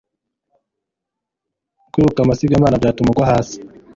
kwiruka amasigamana byatuma ugwahasi